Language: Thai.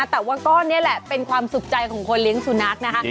แต่ว่าก็นี่แหละเป็นความสุขใจของคนเลี้ยงสุนัขนะคะ